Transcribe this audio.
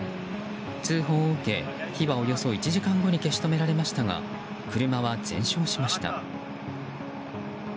通報を受け、火はおよそ１時間後に消し止められましたが車は全焼しました。